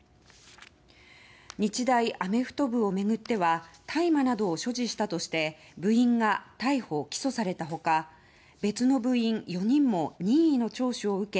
日大アメフト部を巡っては大麻などを所持したとして部員が逮捕・起訴された他別の部員４人も任意の聴取を受け